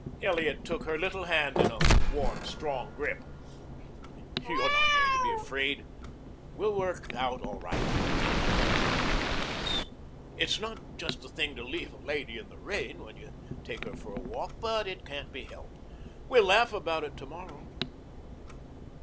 Elliot took her little hand in a warm, strong grip. "You're not going to be afraid. We'll work out all right, you know." "Yes." "It's not just the thing to leave a lady in the rain when you take her for a walk, but it can't be helped. We'll laugh about it to morrow."